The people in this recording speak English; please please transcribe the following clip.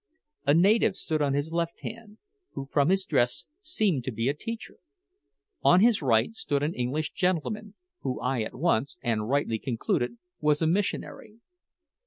A native stood on his left hand, who from his dress seemed to be a teacher. On his right stood an English gentleman, who I at once, and rightly, concluded was a missionary.